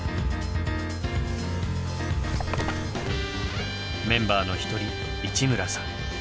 メンバーの一人市村さん。